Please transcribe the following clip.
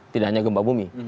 tidak hanya gempa bumi